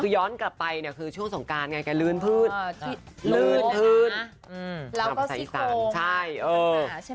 ย้อนกลับไปคือช่วงสงกรานเรื่นพืช